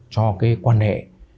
cho quan hệ